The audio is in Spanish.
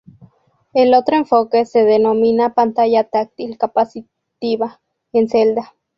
El otro enfoque se denomina pantalla táctil capacitiva "en celda".